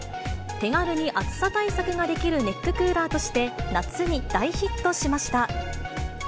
手軽に暑さ対策ができるネッククーラーとして、夏に大ヒットしました。